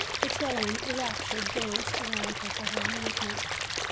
Fretillon, enrap tured, danced round her for her amusement.